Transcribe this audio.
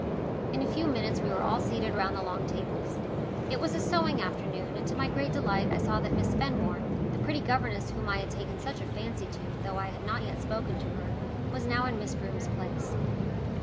In a few minutes we were all seated round the long tables. It was a sewing afternoon, and to my great delight I saw that Miss Fenmore, the pretty governess whom I had taken such a fancy to, though I had not yet spoken to her, was now in Miss Broom's place.